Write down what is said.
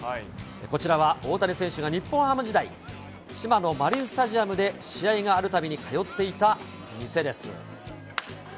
こちらは、大谷選手が日本ハム時代、千葉のマリンスタジアムで試合があるたびに通っていた店です。